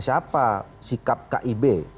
siapa sikap kib